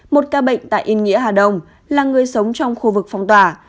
một ca bệnh tại yên nghĩa hà đông là người sống trong khu vực phong tỏa